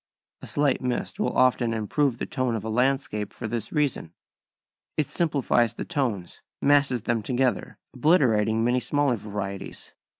A slight mist will often improve the tone of a landscape for this reason. It simplifies the tones, masses them together, obliterating many smaller varieties.